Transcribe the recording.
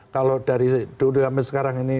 kalau dari dulu sampai sekarang ini